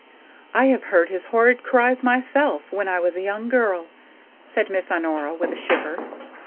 I have heard his horrid cries myself, when I was a young girl," said Miss Honora, with a shiver.